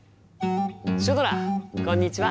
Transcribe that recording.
シュドラこんにちは！